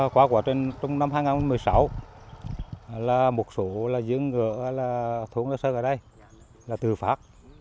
quả của trong năm hai nghìn một mươi sáu là một số dưỡng ngựa thuốc la sơn ở đây là tử pháp